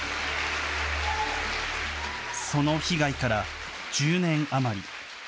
その被害から１０年余り。